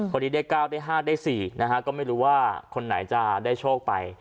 คนนี้ได้๙ได้๕ได้๔นะฮะก็ไม่รู้ว่าคนไหนจะได้โชคไป